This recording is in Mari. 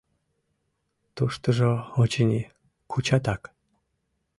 Туштыжо, очыни, кучатак.